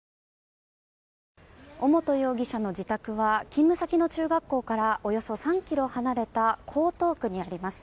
尾本容疑者の自宅は勤務先の中学校からおよそ３ｋｍ離れた江東区にあります。